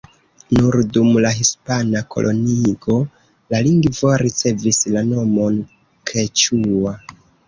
Nur dum la hispana koloniigo la lingvo ricevis la nomon keĉua.